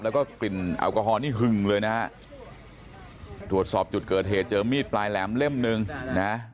แล้วก็กลิ่นแอลกอฮอลนี่หึงเลยนะฮะตรวจสอบจุดเกิดเหตุเจอมีดปลายแหลมเล่มหนึ่งนะ